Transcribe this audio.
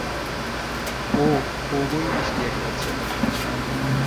ও খুবই মিষ্টি একটা ছেলে।